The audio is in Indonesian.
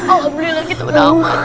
alhamdulillah kita beramat